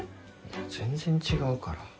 いや全然違うから。